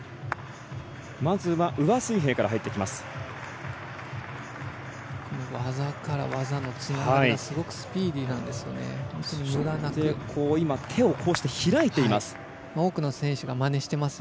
まずは上水平から入っていきます。